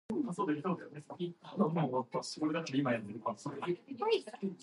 The species name "albeola" is from Latin "albus", "white".